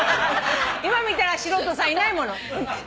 今みたいな素人さんいないもの。